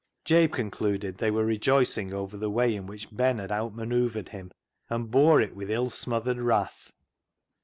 Jabe concluded they were rejoicing over the way in which Ben had out manoeuvred him, and bore it with ill smothered wrath.